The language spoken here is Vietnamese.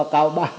cảm ơn bác